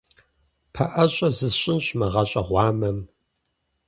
ПэӀэщӀэ зысщӀынщ мы гъащӀэ гъуамэм.